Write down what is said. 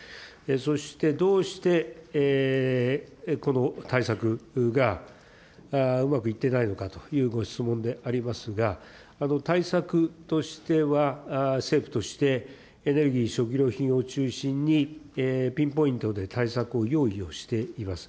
そして、どうして、この対策がうまくいっていないのかというご質問でありますが、対策としては、政府としてエネルギー、食料品を中心に、ピンポイントで対策を用意をしています。